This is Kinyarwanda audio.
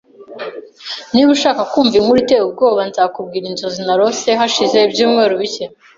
Niba ushaka kumva inkuru iteye ubwoba, nzakubwira inzozi narose hashize ibyumweru bike.